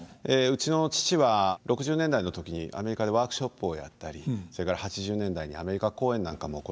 うちの父は６０年代の時にアメリカでワークショップをやったりそれから８０年代にアメリカ公演なんかも行いましたので。